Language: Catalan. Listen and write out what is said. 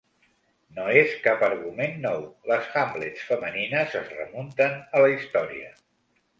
No és cap argument nou; les Hamlets femenines es remunten a la història.